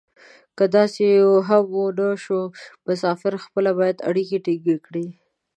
که داسې هم و نه شو مسافر خپله باید اړیکې ټینګې کړي.